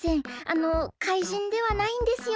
あの怪人ではないんですよね？